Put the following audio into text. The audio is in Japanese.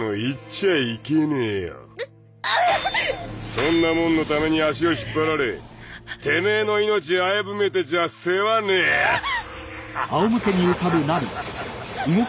そんなモンのために足を引っ張られテメエの命危ぶめてちゃ世話ねえああっ！